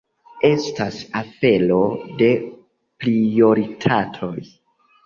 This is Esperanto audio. Estas afero de prioritatoj.